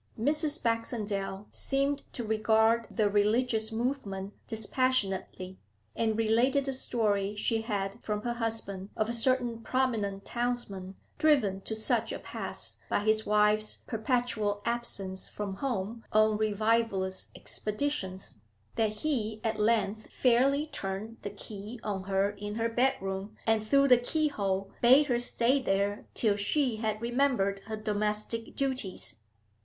Mrs. Baxendale seemed to regard the religious movement dispassionately, and related a story she had from her husband of a certain prominent townsman driven to such a pass by his wife's perpetual absence from home on revivalist expeditions, that he at length fairly turned the key on her in her bedroom, and through the keyhole bade her stay there till she had remembered her domestic duties.